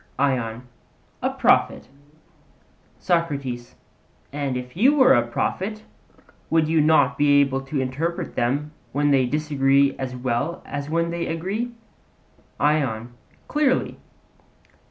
ION: A prophet. SOCRATES: And if you were a prophet, would you not be able to interpret them when they disagree as well as when they agree? ION: Clearly.